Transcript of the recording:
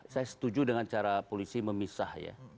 saya setuju dengan cara polisi memisah ya